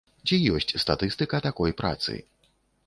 Ці ёсць статыстыка такой працы?